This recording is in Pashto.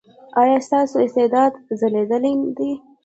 ایا ستاسو استعداد ځلیدلی دی؟